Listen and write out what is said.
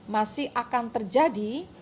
masih akan terjadi